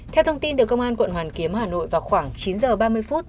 theo thông tin từ công an quận hoàn kiếm hà nội vào khoảng chín giờ ba mươi phút